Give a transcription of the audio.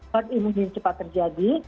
waktu ini ingin cepat terjadi